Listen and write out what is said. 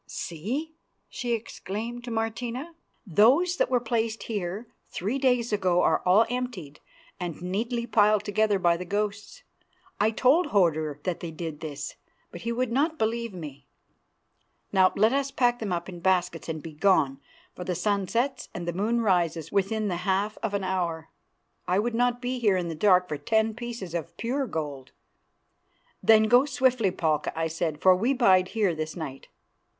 "See!" she exclaimed to Martina, "those that were placed here three days ago are all emptied and neatly piled together by the ghosts. I told Hodur that they did this, but he would not believe me. Now let us pack them up in the baskets and begone, for the sun sets and the moon rises within the half of an hour. I would not be here in the dark for ten pieces of pure gold." "Then go swiftly, Palka," I said, "for we bide here this night."